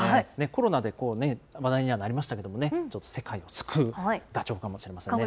コロナで話題にはなりましたけどね、世界を救うダチョウかもしれませんね。